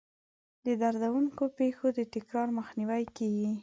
د دردونکو پېښو د تکرار مخنیوی کیږي.